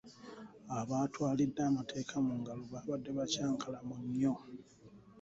Abaatwalidde amateeka mu ngalo baabadde bakyankalamu nnyo.